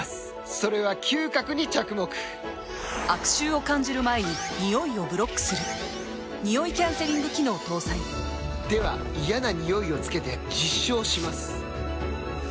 それは嗅覚に着目悪臭を感じる前にニオイをブロックするニオイキャンセリング機能搭載では嫌なニオイをつけて実証します